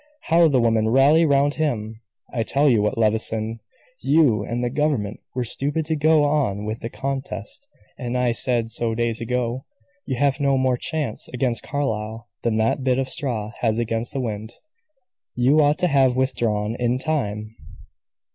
"How the women rally round him! I tell you what, Levison, you and the government were stupid to go on with the contest, and I said so days ago. You have no more chance against Carlyle than that bit of straw has against the wind. You ought to have withdrawn in time."